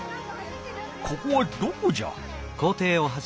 ここはどこじゃ？